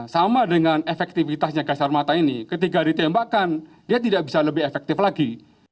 sama dengan efektivitasnya gas air mata ini ketika ditembakkan dia tidak bisa lebih efektif lagi